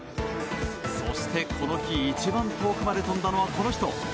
そして、この日一番遠くまで飛んだのはこの人